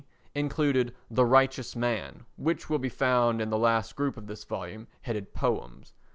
Z._," included "The Righteous Man" which will be found in the last group of this volume, headed "Poems."